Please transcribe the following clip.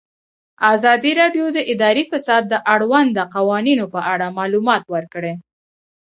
ازادي راډیو د اداري فساد د اړونده قوانینو په اړه معلومات ورکړي.